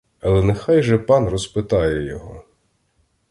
Але нехай же пан розпитає його.